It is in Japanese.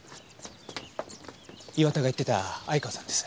岩田が言ってた相川さんです。